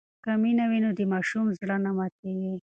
که مینه وي نو د ماشوم زړه نه ماتېږي.